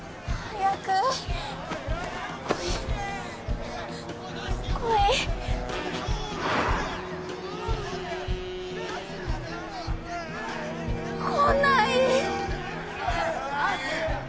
来い来い！来ない！